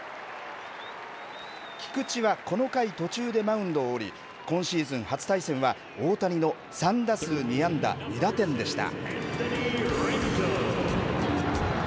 菊池はこの回途中でマウンドを降り、今シーズン初対戦は、大谷の３打数２安打２打点でした。